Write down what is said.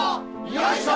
よいしょ！